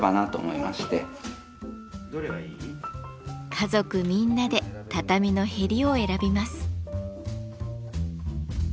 家族みんなで畳のへりを選びます。